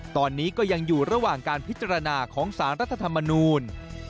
ตอนนี้ก็ยังอยู่ระหว่างการพิจารณาของสารรัฐธรรมนูล